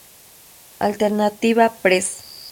Alternative Press.